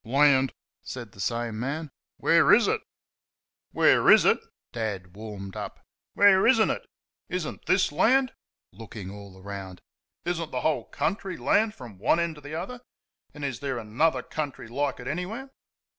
"LAND!" said the same man "where IS it?" "Where IS it?" Dad warmed up "where IS N'T it? Is n't this land?" (Looking all round.) "Is n't the whole country land from one end to the other? And is there another country like it anywhere?"